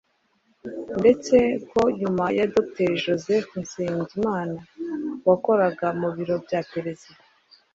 ndetse ko nyuma Dr Joseph Nsengimana wakoraga mu biro bya perezida